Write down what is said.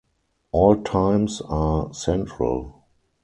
All times are Central.